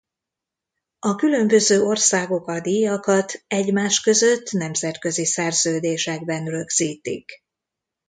A különböző országok a díjakat egymás között nemzetközi szerződésekben rögzítik.